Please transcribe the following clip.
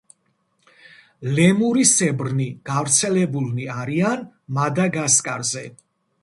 ლემურისებრნი გავრცელებულნი არიან მადაგასკარზე.